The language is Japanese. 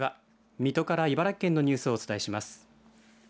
水戸から茨城県のニュースをお伝えします。